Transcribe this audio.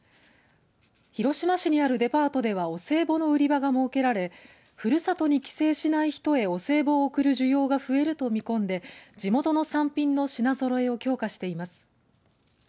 広島市にあるデパートではお歳暮の売り場が設けられふるさとに帰省しない人へお歳暮を贈る需要が増えると見込んで地元の産品の品ぞろえを強化しています。